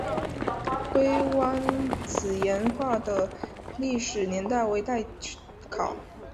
灰湾子岩画的历史年代为待考。